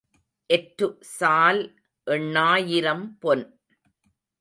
எற்று சால் எண்ணாயிரம் பொன்.